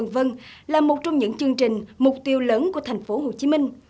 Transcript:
đây là một trong những chương trình mục tiêu lớn của thành phố hồ chí minh